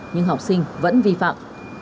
nhưng học sinh vẫn vi phạm